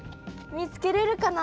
見つけれるかな。